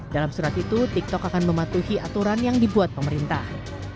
dalam surat itu tiktok akan mematuhi aturan yang dibuat pemerintah